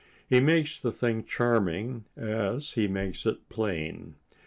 He makes the thing charming and he makes it plain.